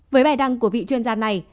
với bài đăng của vị chuyên gia này